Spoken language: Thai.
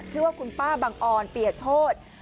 เพียวว่าคุณป้าบังออนเปรียดโทษ